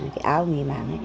cái áo người mảng ấy